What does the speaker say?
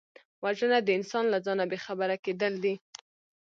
وژنه د انسان له ځانه بېخبره کېدل دي